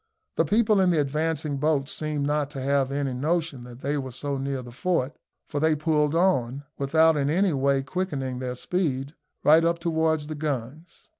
The people in the advancing boats seemed not to have any notion that they were so near the fort, for they pulled on, without in any way quickening their speed, right up towards the guns.